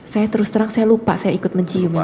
saya terus terang saya lupa saya ikut mencium ya